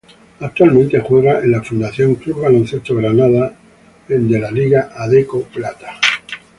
Actualmente juega en la Fundación Club Baloncesto Granada de la liga Adecco Plata.